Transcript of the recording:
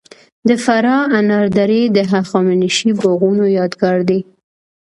د فراه انار درې د هخامنشي باغونو یادګار دی